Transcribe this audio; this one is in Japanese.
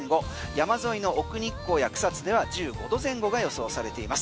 山沿いの奥日光や草津では１５度前後が予想されています。